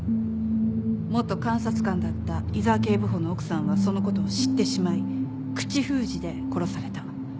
元監察官だった井沢警部補の奥さんはそのことを知ってしまい口封じで殺された。